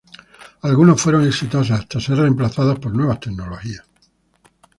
Algunas fueron exitosas hasta ser remplazadas por nuevas tecnologías.